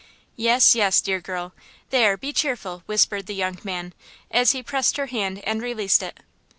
"Yes, yes, dear girl! There, be cheerful," whispered the young man, as he pressed her hand and released it.